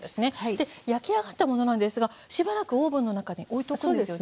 で焼き上がったものなんですがしばらくオーブンの中に置いておくんですね。